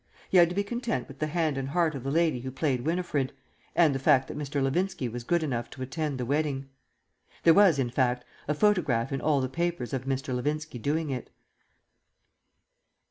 He had to be content with the hand and heart of the lady who played Winifred, and the fact that Mr. Levinski was good enough to attend the wedding. There was, in fact, a photograph in all the papers of Mr. Levinski doing it.